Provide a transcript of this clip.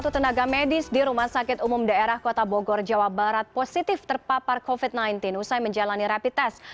satu tenaga medis di rumah sakit umum daerah kota bogor jawa barat positif terpapar covid sembilan belas usai menjalani rapid test